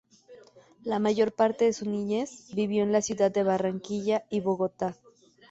La mayor parte de su niñez vivió en la ciudad de Barranquilla y Bogotá.